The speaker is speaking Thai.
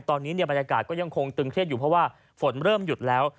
ตอนนี้บรรยากาศก็ยังคงตึงเครียดอยู่เพราะว่าฝนเริ่มหยุดแล้ว